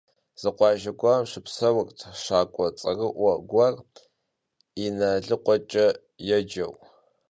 Zı khuajje guerım şıpseurt şak'ue ts'erı'ue guer Yinalıkhueç'e yêceu.